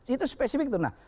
itu spesifik tuh